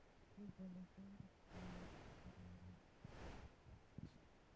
Junto a los themas, existieron otros tipos de unidades provinciales.